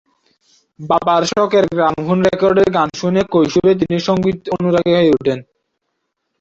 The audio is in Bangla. বাবার শখের গ্রামোফোন রেকর্ডের গান শুনে কৈশোরে তিনি সঙ্গীত অনুরাগী হয়ে উঠেন।